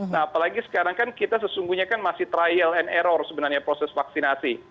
nah apalagi sekarang kan kita sesungguhnya kan masih trial and error sebenarnya proses vaksinasi